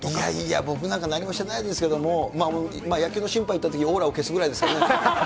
いやいや、僕なんか何もしてないですけども、野球の審判行ったとき、オーラを消すぐらいですからね。